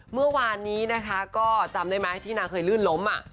เมื่อวานนี้นะคะก็จำได้ไหมที่นางเคยลื่นล้ม